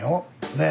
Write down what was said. ねえ。